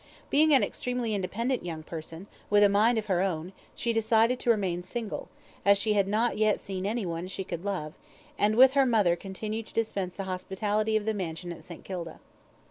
Being an extremely independent young person, with a mind of her own, she decided to remain single, as she had not yet seen anyone she could love, and with her mother continued to dispense the hospitality of the mansion at St. Kilda.